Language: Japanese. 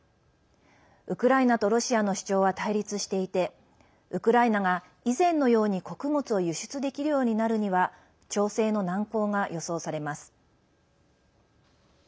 ウクライナとロシアの主張は対立していてウクライナが、以前のように穀物を輸出できるようになるには調整の難航が予想されます。